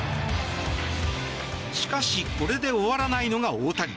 しかし、これで終わらないのが大谷。